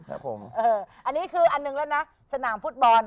อันนี้เคยอันนึงนะสนามฟุตบอล